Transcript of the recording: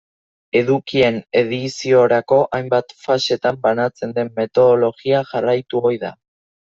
Edukien-ediziorako hainbat fasetan banatzen den metodologia jarraitu ohi da.